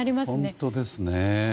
本当ですね。